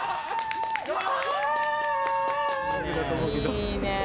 いいねぇ。